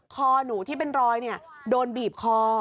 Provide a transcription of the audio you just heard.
คอหนูที่เป็นรอยโดนบีบคอ